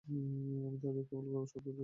আমি তোমাদের কেবল সৎপথই দেখিয়ে থাকি।